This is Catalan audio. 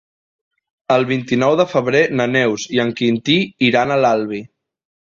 El vint-i-nou de febrer na Neus i en Quintí iran a l'Albi.